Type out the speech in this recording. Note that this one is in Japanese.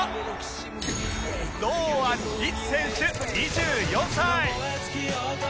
堂安律選手２４歳